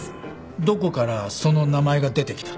どこからその名前が出てきた？